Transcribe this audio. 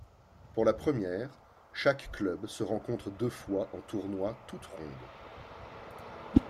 Pour la première, chaque club se rencontre deux fois en tournoi toutes rondes.